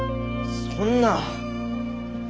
そんな。